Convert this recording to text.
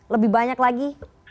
lebih banyak lagi